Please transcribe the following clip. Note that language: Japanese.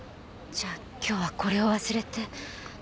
じゃあ今日はこれを忘れて。